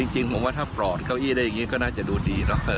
จริงผมว่าถ้าปลอดเก้าอี้ได้อย่างนี้ก็น่าจะดูดีเนอะ